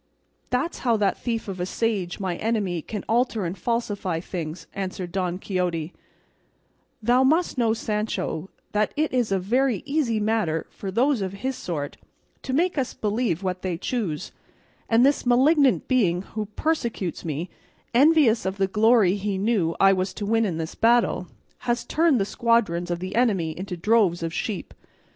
"That's how that thief of a sage, my enemy, can alter and falsify things," answered Don Quixote; "thou must know, Sancho, that it is a very easy matter for those of his sort to make us believe what they choose; and this malignant being who persecutes me, envious of the glory he knew I was to win in this battle, has turned the squadrons of the enemy into droves of sheep.